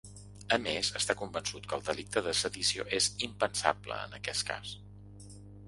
A més, està convençut que el delicte de sedició és ‘impensable’, en aquest cas.